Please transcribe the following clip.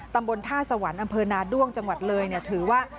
ตำบลท่าสวรรค์อำเภอนาด้วงจังหวัดเลยถือว่า